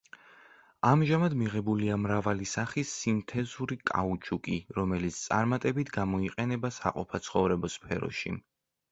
ამჟამად მიღებულია მრავალი სახის სინთეზური კაუჩუკი, რომელიც წარმატებით გამოიყენება საყოფაცხოვრებო სფეროში.